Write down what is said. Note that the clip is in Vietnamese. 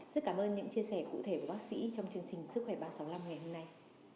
rất cảm ơn những chia sẻ cụ thể của bác sĩ trong chương trình sức khỏe ba trăm sáu mươi năm ngày hôm nay